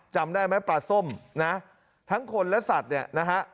จำได้ไหมปลาส้มนะทั้งคนและสัตว์เนี่ยนะฮะ